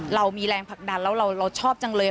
เรามีแรงผลักดันแล้วเราชอบจังเลย